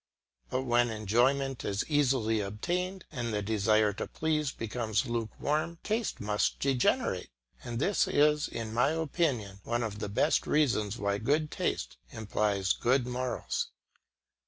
But when enjoyment is easily obtained, and the desire to please becomes lukewarm, taste must degenerate; and this is, in my opinion, one of the best reasons why good taste implies good morals.